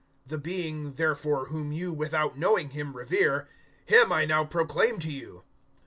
"The Being, therefore, whom you, without knowing Him, revere, Him I now proclaim to you.